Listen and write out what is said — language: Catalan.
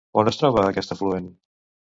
On es troba aquest afluent?